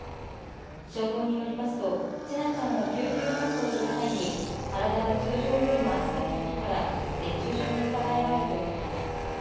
消防によりますと千奈ちゃんを救急搬送する際に体が通常よりも熱かったことから熱中症の疑いがあるということです。